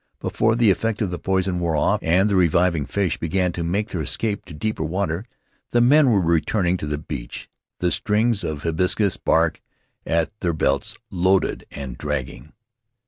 Before the effect of the poison wore off and the reviving fish began to make their escape to deeper water the men were returning to the beach, the strings of hibiscus bark at their belts loaded and dragging.